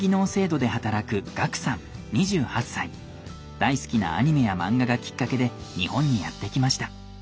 大好きなアニメや漫画がきっかけで日本にやって来ました。